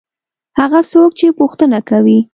هغه څوک چې پوښتنه کوي.